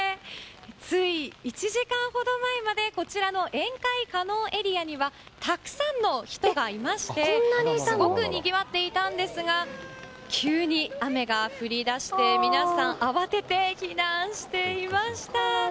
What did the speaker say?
つい１時間ほど前までこちらの宴会可能エリアにはたくさんの人がいましてすごくにぎわっていたんですが急に雨が降り出して皆さん、慌てて避難していました。